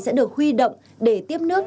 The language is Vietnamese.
sẽ được huy động để tiếp nước